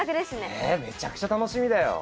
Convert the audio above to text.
ねえめちゃくちゃ楽しみだよ。